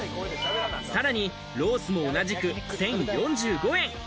さらにロースも同じく１０４５円。